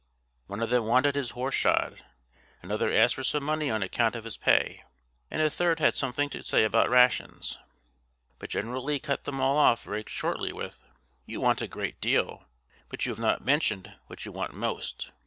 One of them wanted his horse shod, another asked for some money on account of his pay, and a third had something to say about rations. But General Lee cut them all off very shortly with, "You want a great deal, but you have not mentioned what you want most.